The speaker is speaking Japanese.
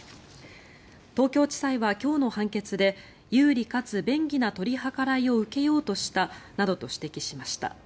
東京地裁は今日の判決で有利かつ便宜な取り計らいを受けようとしたなどと指摘しました。